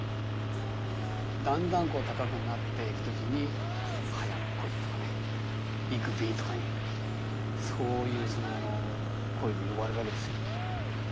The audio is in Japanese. だんだんこう高くなっていく時に「早く来い」とかね「行くべ」とかねそういう声で呼ばれるわけですよ。